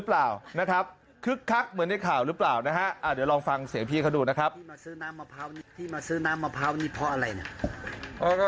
แล้วคิดว่ามันจะเป็นไปได้ไหม